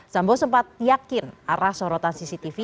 sambo sempat yakin arah sorotan cctv